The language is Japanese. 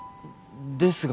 ですが。